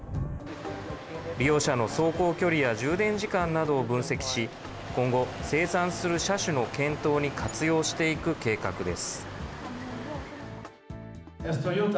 利用者の走行距離や充電時間などを分析し、今後、生産する車種の検討に活用していく計画です。